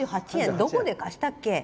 どこで貸したっけ？